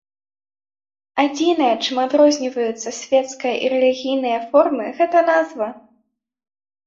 Адзінае, чым адрозніваюцца свецкая і рэлігійная формы, гэта назва.